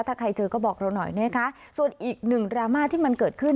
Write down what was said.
ถ้าใครเจอก็บอกเราหน่อยนะคะส่วนอีกหนึ่งดราม่าที่มันเกิดขึ้น